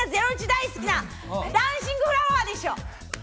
大好きな、ダンシングフラワーでしょ？